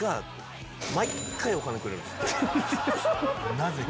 なぜか。